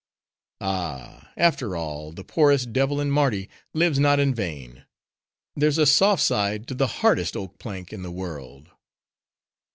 Ah! after all, the poorest devil in Mardi lives not in vain. There's a soft side to the hardest oak plank in the world!"